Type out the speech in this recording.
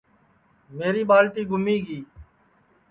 میری ٻالٹی گُمی گی